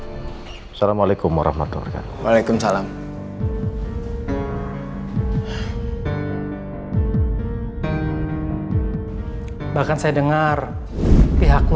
assalamualaikum warahmatullahi wabarakatuh